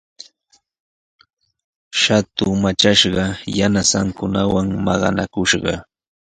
Shatu matrashqa yanasankunawan maqanakushqa.